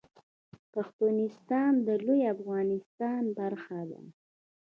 پښتونستان د لوی افغانستان برخه ده